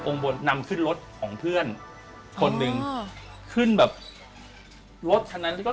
องค์บนนำขึ้นรถของเพื่อนคนหนึ่งขึ้นแบบรถทั้งนั้น